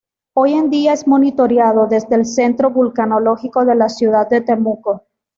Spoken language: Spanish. Hoy en día es monitoreado desde el centro vulcanológico de la ciudad de Temuco.